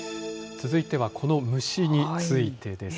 続いてはこの虫についてです。